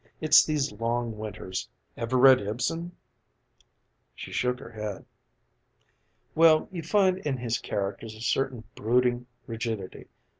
It's these long winters. Ever read Ibsen?" She shook her head. "Well, you find in his characters a certain brooding rigidity.